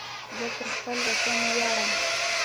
زه پر خپل وطن ویاړم